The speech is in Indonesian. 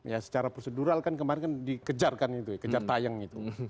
ya secara prosedural kan kemarin kan dikejar kan itu ya kejar tayang itu